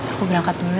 aku berangkat dulu ya